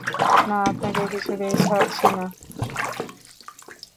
না, আপনাকে কিছুতেই ছাড়ছি নে।